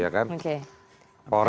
itu gimana tuh prof